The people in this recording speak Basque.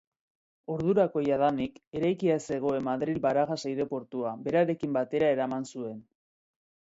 Ordurako jadanik eraikia zegoen Madril-Barajas aireportua berarekin batera eraman zuen.